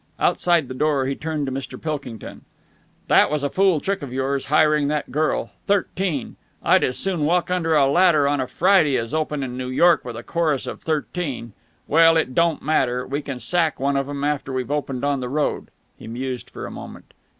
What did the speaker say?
Outside the door, he turned to Mr. Pilkington. "That was a fool trick of yours, hiring that girl. Thirteen! I'd as soon walk under a ladder on a Friday as open in New York with a chorus of thirteen. Well, it don't matter. We can sack one of 'em after we've opened on the road." He mused for a moment.